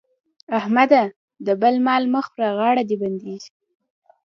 احمده! د بل مال مه خوره غاړه دې بندېږي.